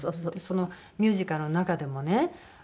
そのミュージカルの中でもね